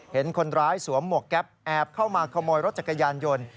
เห็นคนร้ายสวมหมวกแก๊ปแอบเข้ามาขโมยรถจักรยานยนต์